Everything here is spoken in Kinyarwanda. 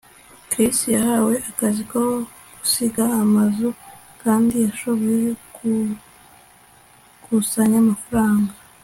chris yahawe akazi ko gusiga amazu kandi yashoboye gukusanya amafaranga